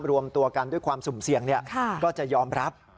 รวมตัวกันด้วยความสุ่มเสี่ยงก็จะยอมรับ